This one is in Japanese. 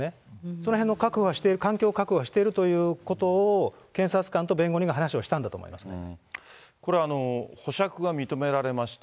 そのへんの確保はしてる、環境確保はしてるということを、検察官と弁護人が話をしたんだとこれ、保釈が認められました。